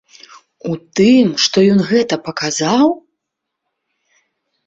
У тым, што ён гэта паказаў?